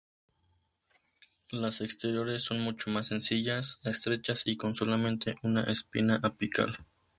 Las exteriores son mucho más sencillas, estrechas y con solamente una espina apical.